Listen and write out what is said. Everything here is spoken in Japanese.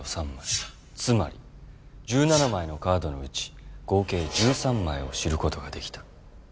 つまり１７枚のカードのうち合計１３枚を知ることができた。